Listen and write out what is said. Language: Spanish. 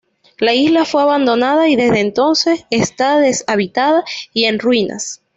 La isla fue abandonada y desde entonces está deshabitada y en ruinas.